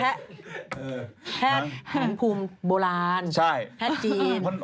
พาดหนังพุมโบราณพาดจีน